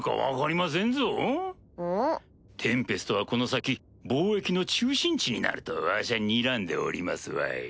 テンペストはこの先貿易の中心地になるとわしはにらんでおりますわい。